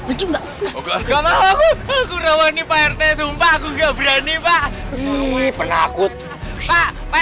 enggak mau aku aku rawani pak rt sumpah aku nggak berani pak wih pelaku pak pak